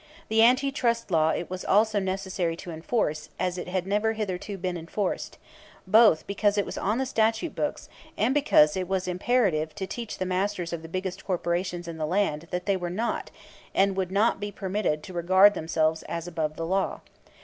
The Anti Trust Law it was also necessary to enforce as it had never hitherto been enforced; both because it was on the statute books and because it was imperative to teach the masters of the biggest corporations in the land that they were not, and would not be permitted to regard themselves as, above the law.